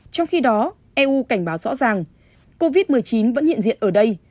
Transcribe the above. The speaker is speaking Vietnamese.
trong khi đó eu cảnh báo rõ ràng covid một mươi chín vẫn hiện diện ở đây